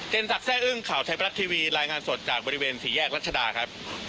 สักแร่อึ้งข่าวไทยบรัฐทีวีรายงานสดจากบริเวณสี่แยกรัชดาครับ